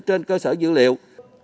trên cơ sở dữ liệu